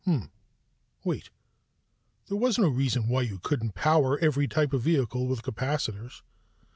Hm ... wait. There was no reason why you couldn't power every type of vehicle with capacitors.